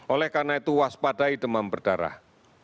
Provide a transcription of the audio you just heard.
oleh karena itu waspadai demam berdarah